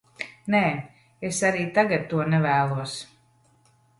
Nē, es arī tagad to nevēlos.